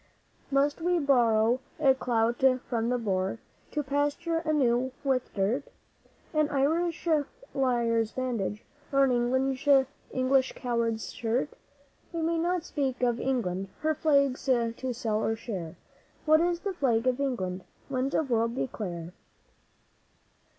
Must we borrow a clout from the Boer to plaster anew with dirt? An Irish liar's bandage, or an English coward's shirt? We may not speak of England; her Flag's to sell or share. What is the Flag of England? Winds of the World, declare!